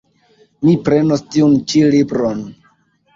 Mi prenos tiun ĉi libron.